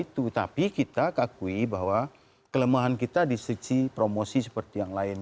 tapi kita kakui bahwa kelemahan kita di sisi promosi seperti yang lain